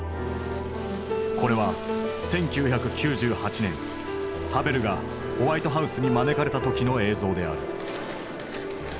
これは１９９８年ハヴェルがホワイトハウスに招かれた時の映像である。